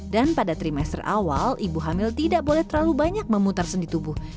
dan pada trimester awal ibu hamil tidak boleh terlalu banyak memutar sendi tubuh